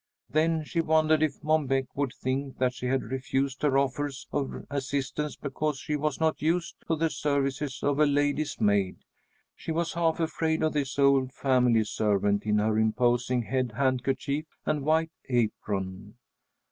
Then she wondered if Mom Beck would think that she had refused her offers of assistance because she was not used to the services of a lady's maid. She was half afraid of this old family servant in her imposing head handkerchief and white apron.